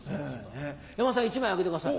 山田さん１枚あげてください。